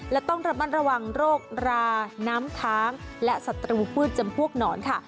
และต้องระมัดระวังโรคราน้ำค้างและศัตรูพืชจำพวกหนอนค่ะ